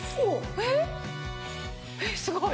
えっすごい。